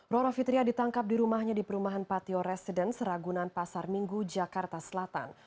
roro fitria ditangkap di rumahnya di perumahan patio residence ragunan pasar minggu jakarta selatan